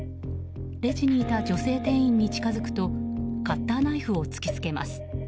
レジにいた女性店員に近づくとカッターナイフを突き付けます。